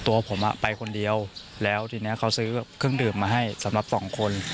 ตัวผมไปคนเดียวแล้วทีนี้เขาซื้อเครื่องดื่มมาให้สำหรับสองคน